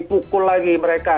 pukul lagi mereka